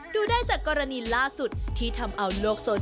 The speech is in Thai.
โดยไอจีดังกล่าวเป็นของเซลปสาวทายาทโรงแรมดัง